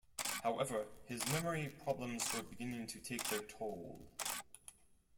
However his memory problems were beginning to take their toll.